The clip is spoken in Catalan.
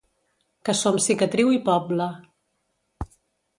Que som cicatriu i poble.